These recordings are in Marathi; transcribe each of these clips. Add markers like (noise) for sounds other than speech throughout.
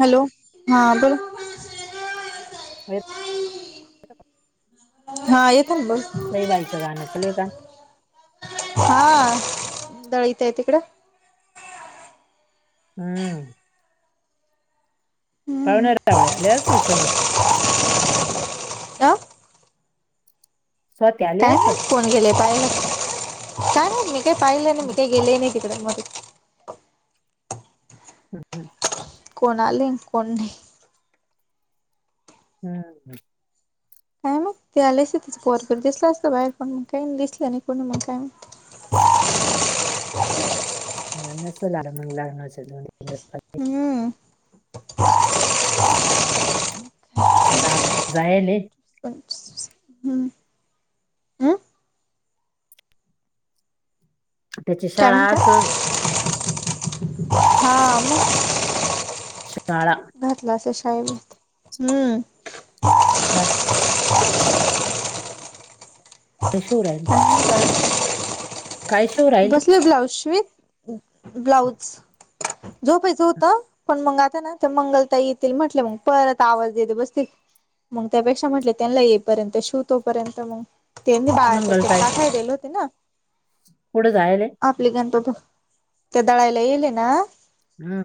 हॅलो हा बोला व हा येत ना मघ नाहीई बाईचं गाणं चलय का हा दळीत आहे तिकडं हम्म हम्म पावणेव आले असल सग अ स्वाती आली काय असेल नाही कोण गेलेय पाहिलं काय नाही मी काय पाहिलं नाही मी हम्म, काही गेले नाही तिकड मध्ये हम् हम कोणाली कोण नाही हम्म काय ते आलेस त्या पर कर दिसला असतं बाहेर कोण मग काही दिसलं नाही कोणी मग काय अ सल हम्म मग आता जायले हम्म हम्म त्याची क शाळा म्हनत असेल हा शाळा घातलं असं शाळे म हम्म बय मशहूर आहे काय शिव राहिली बसले ब्लाऊजथ ब्लाऊज जो पैसे होत पण मंगाता ना तर मंगलता येतील म्हटले मग परत आवाज देत बसतील मग त्यापेक्षा म्हटले त्यांना येईपर्यंत शव तोपर्यंत मग ते बाळाचा मंगलताई तेका खालेले होते ना कुठे जायल आहे आपली घणत त्या दळायला येले ना हम्म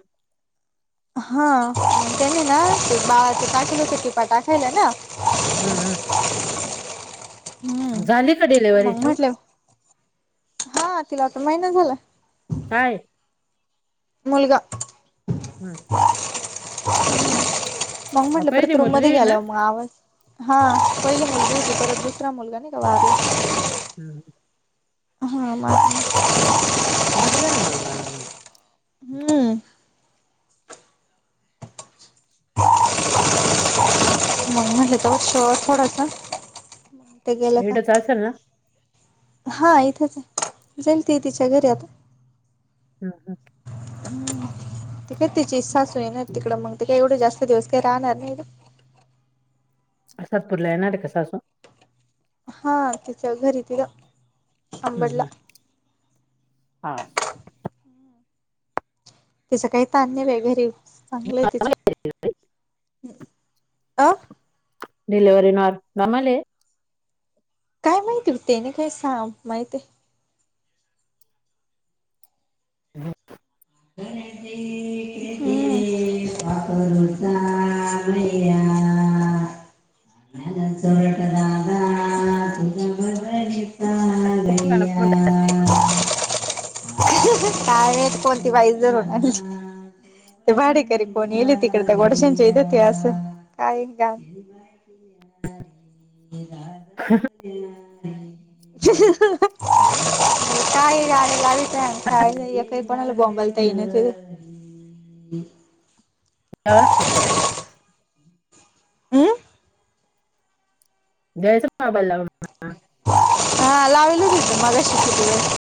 हा त्यांनी ना हम्म, ते बाळाच टाकलंच टिपा टाकायला ना हम्म हम झाली का हम्म डिलिव्हरी मग चू म्हटले हा तिला आता महिना झाला काय मुलगा हम् मग हा, म्हटलं पहिली परत रूम मुलगी मध्ये आहे ना गेलावर मग आवाज हा पहिला मुलगा हो परत दुसरा मुलगा नाही का हम् हा म बर झा ना मुलगाव हम्म. मग म हे तर श थोडा ना. ते गेलं का इडच असेल ना हा इथेच जाईल त तिच्या घरी आता हा हा. हम्. त काय त्यािची इचस्छा अस ना तिकडं मग ते काय एवढं जास्त दिवस काय राहणार नाही. अादपूरला ये ना क का स सावाासून हा तिच्या घरी ति हम् हम् हा. तचं काही तरान्य वगैरे अ (inaudible) डलवररी नॉार मामली काय माहिती होते ना काय सांग माहिती आहे. हम. पाप रुता भैया (unintelligible) तुझ (inaudible) गैया काय नाही कोणती बाईस जर होणारली. ते भाडेकरी फोन येले तिकडे तर गोडशांच्या येत होती असं काय का? (inaudible) काही लालेलावी प खय काही पणाला बॉमबल तन एव हम. द्यायचं बाबाला हा लावलच होतं मला्या शिकला.